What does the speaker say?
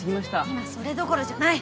今それどころじゃない！